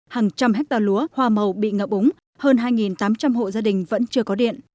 hàng trăm hectare lúa hoa màu bị ngập úng hơn hai tám trăm linh hộ gia đình vẫn chưa có điện